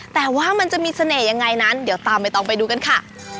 แต่ว่ามันจะมีเสน่ห์ยังไงนั้นเดี๋ยวตามใบตองไปดูกันค่ะ